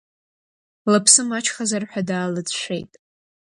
Лыԥсы маҷхазар ҳәа даалыцәшәеит.